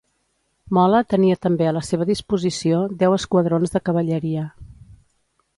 Mola tenia també a la seva disposició deu esquadrons de cavalleria.